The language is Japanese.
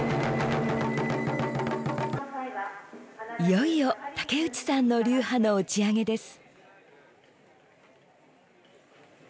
いよいよ竹内さんの流派の打ち上げです。